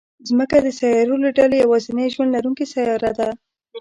مځکه د سیارو له ډلې یوازینۍ ژوند لرونکې سیاره ده.